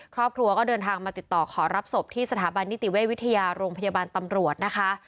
ครอบครัวก็เดินทางมาติดต่อขอรับศพที่สถาบันนิติเวชวิทยาโรงพยาบาลตำรวจนะคะ